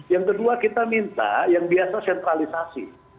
yang kedua kita minta yang biasa sentralisasi